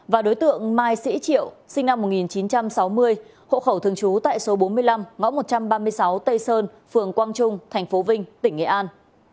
và đối tượng mai sĩ triệu sinh năm một nghìn chín trăm sáu mươi hộ khẩu thường trú tại số bốn mươi năm ngõ một trăm ba mươi sáu tây sơn phường quang trung tp vinh tỉnh nghệ an